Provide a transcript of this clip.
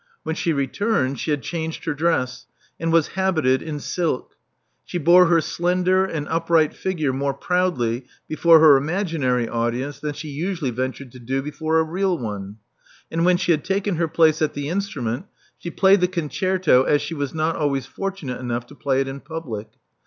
When she returned, she had changed her dress, and was habited in silk. She bore her slender and upright figure more proudly before her imaginary audience than she usually ventured to do before a real one ; and when £he had taken her place at the instrument, she played the concerto as she was not always fortunate enough to play it in public.